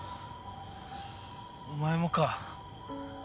お前もか。